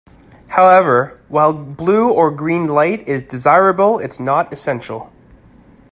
However, while blue or green light is desirable it is not essential.